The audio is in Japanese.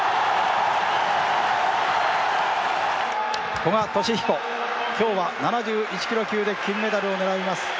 古賀稔彦、きょうは７１キロ級で金メダルを狙います。